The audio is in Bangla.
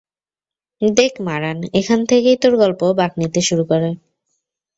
দেখ, মারান, এখান থেকেই তোর গল্প বাঁক নিতে শুরু করে।